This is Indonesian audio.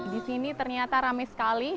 di sini ternyata rame sekali